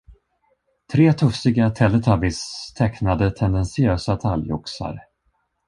Tre tufsiga teletubbies tecknade tendentiösa talgoxar.